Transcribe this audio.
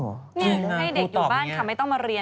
นี่ให้เด็กอยู่บ้านค่ะไม่ต้องมาเรียน